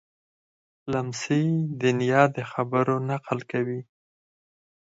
لمسی د نیا د خبرو نقل کوي.